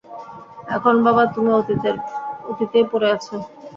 এখন, বাবা, তুমি অতীতেই পরে আছো।